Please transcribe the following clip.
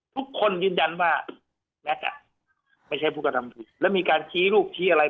ทุกคนยืนยันว่าแม็กซ์อ่ะไม่ใช่ภูกษาธรรมภูมิแล้วมีการชี้รูปชี้อะไร